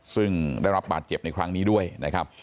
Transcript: ซึ่งได้รับบาดเจ็บในครั้งนี้ด้วยนะครับ